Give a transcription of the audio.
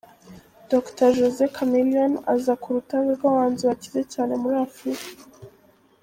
Dr Jose Chameleone aza ku rutonde rw'abahanzi bakize cyane muri Afrika.